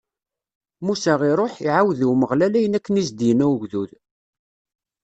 Musa iṛuḥ, iɛawed i Umeɣlal ayen akken i s-d-inna ugdud.